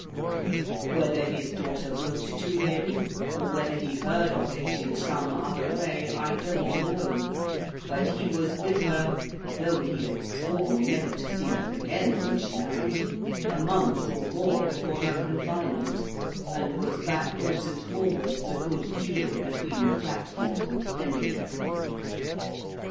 Whether his daughter wrote to him, or whether he heard of it in some other way, I don't know; but he was with her (though he had sworn never to see her again when she married) a month or more before her confinement, and was backwards and forwards a good deal between Flatfield and Pendlebury.